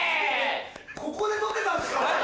ここで撮ってたんですか？